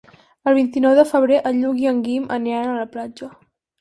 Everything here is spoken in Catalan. El vint-i-nou de febrer en Lluc i en Guim aniran a la platja.